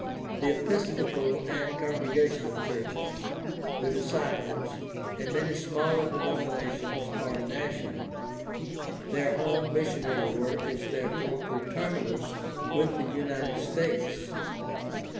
The Episcopal and Congregational churches, the Disciples, and many smaller denominations are national; their home missionary work is therefore coterminous with the United States.